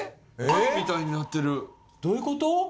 パンみたいになってるどういうこと？